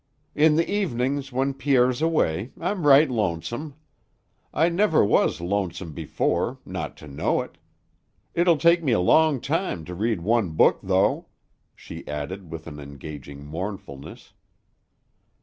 In the evenings when Pierre's away, I'm right lonesome. I never was lonesome before, not to know it. It'll take me a long time to read one book, though," she added with an engaging mournfulness.